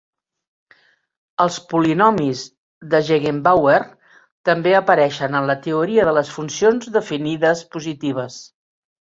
Els polinomis de Gegenbauer també apareixen en la teoria de les funcions definides positives.